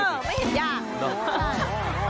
เออไม่เห็นหยาก